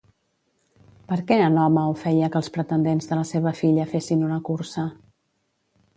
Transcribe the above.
Per què Enòmau feia que els pretendents de la seva filla fessin una cursa?